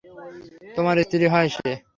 তোমার স্ত্রী হয় সে।